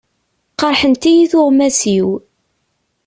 Qerḥent-iyi tuɣmas-iw.